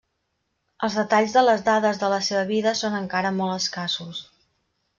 Els detalls de les dades de la seva vida són encara molt escassos.